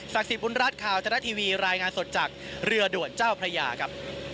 ศักดิ์ศิษฐ์พุทธรรทร์ข่าวทัศน์ทีวีรายงานสดจากเรือด่วนเจ้าพระยาครับ